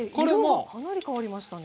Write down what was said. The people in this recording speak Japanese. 色がかなり変わりましたね。